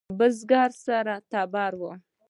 بزگر سره تبر و.